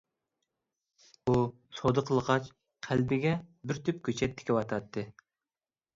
ئۇ سودا قىلغاچ قەلبىگە بىر تۈپ كۆچەت تىكىۋاتاتتى.